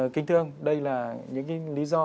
kinh thương đây là những lý do